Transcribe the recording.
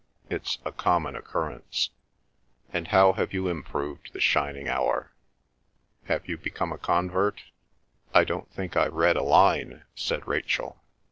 "It's a common occurrence. And how have you improved the shining hour? Have you become a convert?" "I don't think I've read a line," said Rachel.